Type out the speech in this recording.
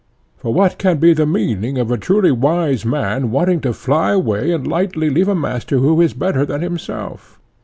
For what can be the meaning of a truly wise man wanting to fly away and lightly leave a master who is better than himself?